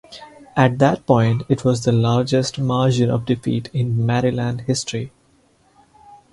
At that point, it was the largest margin of defeat in Maryland history.